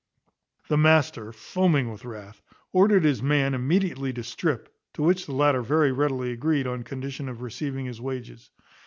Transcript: The master, foaming with wrath, ordered his man immediately to strip, to which the latter very readily agreed, on condition of receiving his wages.